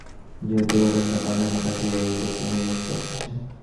যেহেতু ঘটনাটা বানান, কাজেই এই গুরুত্বপূর্ণ জিনিসটা বাদ পড়েছে।